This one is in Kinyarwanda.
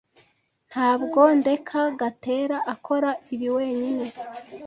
Ntabwo ndeka Gatera akora ibi wenyine.